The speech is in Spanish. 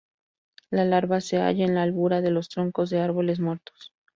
La larva se halla en la albura de los troncos de árboles muertos.